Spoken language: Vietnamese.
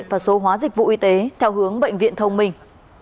và số hóa dịch vụ y tế theo hướng bệnh viện thông minh